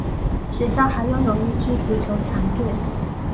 学校还拥有一支足球强队。